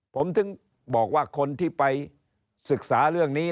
ผมถึงบอกว่าคนที่ไปศึกษาเรื่องนี้